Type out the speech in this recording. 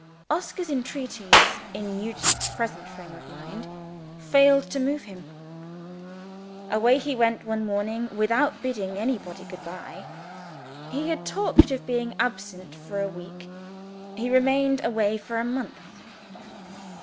Oscar's entreaties, in Nugent's present frame of mind, failed to move him. Away he went one morning, without bidding anybody goodbye. He had talked of being absent for a week he remained away for a month.